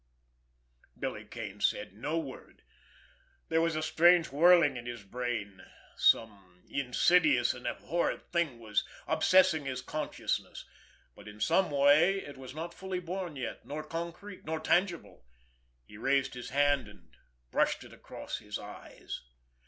Billy Kane said no word. There was a strange whirling in his brain. Some insidious and abhorrent thing was obsessing his consciousness, but in some way it was not fully born yet, nor concrete, nor tangible. He raised his hand and brushed it across his eyes.